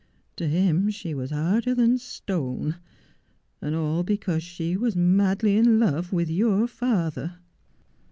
To him she was harder than stone, and all because she was madly in love with your father.'